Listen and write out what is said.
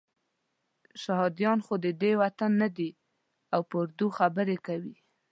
شهادیان خو ددې وطن نه دي او په اردو خبرې کوي.